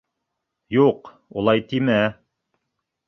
Юҡ, улай тимә.